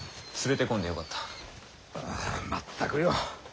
ああ全くよ。